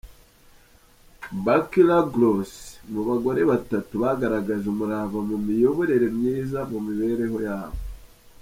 Barks-Ruggles, mu bagore batatu bagaragaje umurava n’imiyoborere myiza mu mibereho yabo.